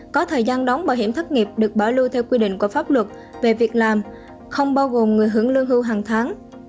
có thời gian đóng bảo hiểm thất nghiệp được bảo lưu theo quy định của pháp luật về việc làm không bao gồm người hưởng lương hưu hàng tháng